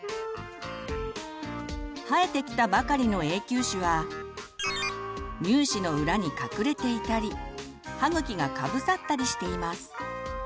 生えてきたばかりの永久歯は乳歯の裏に隠れていたり歯ぐきがかぶさったりしています。